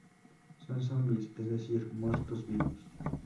Son zombies, es decir muertos vivos.